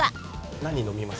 何飲みます？